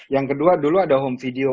yang kedua dulu ada home video